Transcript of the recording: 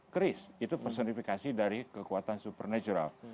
keris itu personifikasi dari kekuatan supernatural